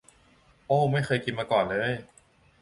โอว ไม่เคยกินมาก่อนเลย